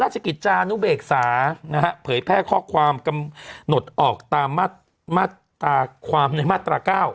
ราชกิจาณูเปกษาเผยแพร่ข้อความกำหนดออกตามมาตราความในมาตราเก้า